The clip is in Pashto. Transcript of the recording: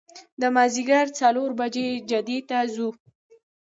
د مازدیګر څلور بجې جدې ته ځو.